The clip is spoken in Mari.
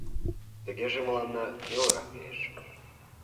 — Тыгеже мыланна нелырак лиеш.